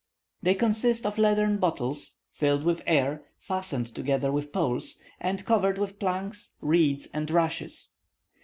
They consist of leathern bottles, filled with air, fastened together with poles, and covered with planks, reeds, and rushes.